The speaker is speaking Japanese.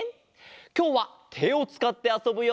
きょうはてをつかってあそぶよ。